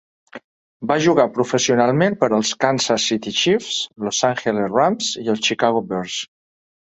Va jugar professionalment per als Kansas City Chiefs, Los Angeles Rams i els Chicago Bears.